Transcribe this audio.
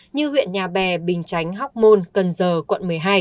như huyện nhà bè bình chánh hóc môn cần giờ quận một mươi hai